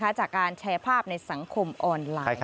จากการแชร์ภาพในสังคมออนไลน์